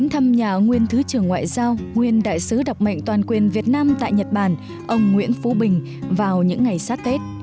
hãy đăng ký kênh để nhận thông tin nhất